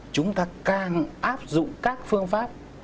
chúng ta càng áp dụng các phương pháp